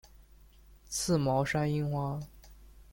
刺毛山樱花